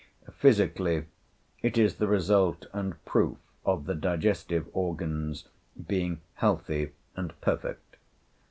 Physically, it is the result and proof of the digestive organs being healthy and perfect.